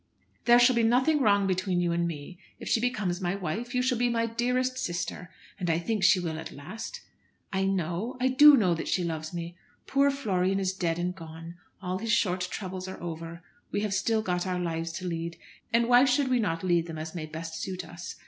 "There shall be nothing wrong between you and me. If she becomes my wife, you shall be my dearest sister. And I think she will at last. I know, I do know that she loves me. Poor Florian is dead and gone. All his short troubles are over. We have still got our lives to lead. And why should we not lead them as may best suit us?